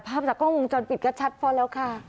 ภาพจากกล้องวงจรปิดก็ชัดพอแล้วค่ะ